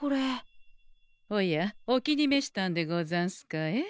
おやお気にめしたんでござんすかえ？